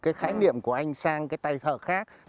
cái khái niệm của anh sang cái tay thở khác